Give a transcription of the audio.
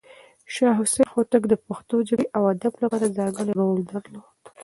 شاه حسين هوتک د پښتو ژبې او ادب لپاره ځانګړی رول درلود.